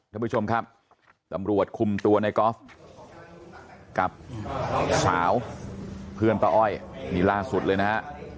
ท่านผู้ชมครับตำรวจคุมตัวในกอล์ฟกับสาวเพื่อนป้าอ้อยนี่ล่าสุดเลยนะฮะ